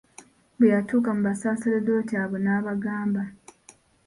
Bwe yatuuka ku Baseserdoti abo n'abagamba.